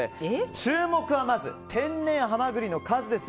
注目は天然ハマグリの数です。